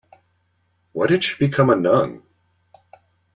Why did she become a nun?